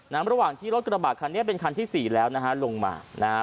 นะฮะระหว่างที่รถกระบาดคันนี้เป็นคันที่สี่แล้วนะฮะ